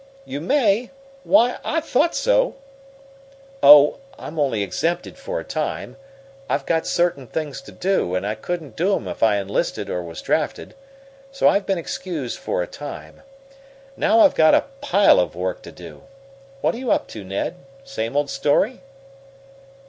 "You may? Why, I thought " "Oh, I'm only exempted for a time. I've got certain things to do, and I couldn't do 'em if I enlisted or was drafted. So I've been excused for a time. Now I've got a pile of work to do. What are you up to Ned? Same old story?"